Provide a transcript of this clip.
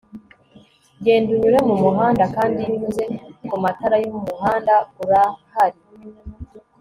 genda unyure mumuhanda, kandi iyo unyuze kumatara yumuhanda urahari